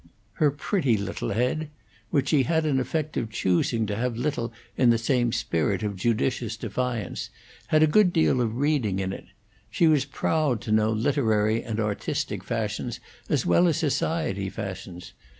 Her pretty little head, which she had an effect of choosing to have little in the same spirit of judicious defiance, had a good deal of reading in it; she was proud to know literary and artistic fashions as well as society fashions.